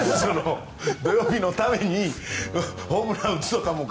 土曜日のためにホームラン打つかはね。